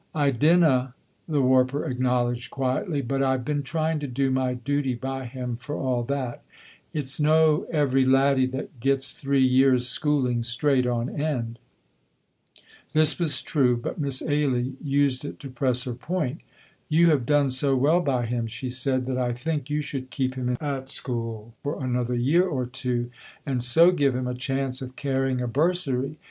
"I dinna," the warper acknowledged quietly, "but I've been trying to do my duty by him for all that. It's no every laddie that gets three years' schooling straight on end." This was true, but Miss Ailie used it to press her point. "You have done so well by him," she said, "that I think you should keep him at school for another year or two, and so give him a chance of carrying a bursary.